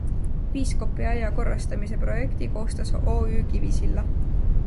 Piiskopi aia korrastamise projekti koostas OÜ Kivisilla.